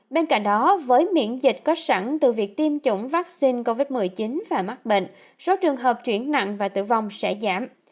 bên cạnh đó với miễn dịch có sẵn từ việc tiêm chủng vaccine covid một mươi chín và mắc bệnh số trường hợp chuyển nặng và tử vong sẽ giảm